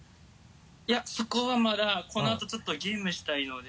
いやそこはまだこのあとちょっとゲームしたいので。